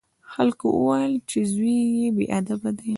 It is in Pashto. خلکو وویل چې زوی یې بې ادبه دی.